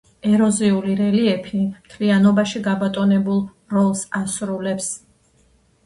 ეროზიული რელიეფი მთლიანობაში გაბატონებულ როლს ასრულებს.